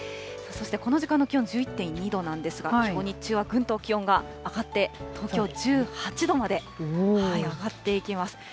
そしてこの時間の気温１１．２度なんですが、きょう日中はぐんと気温上がって、東京１８度まで上がっていきます。